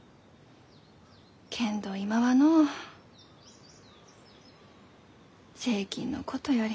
けんど今はのう税金のことより。